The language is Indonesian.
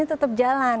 pastinya tetap jalan